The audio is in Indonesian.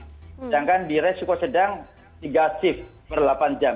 sedangkan di resiko sedang tiga shift per delapan jam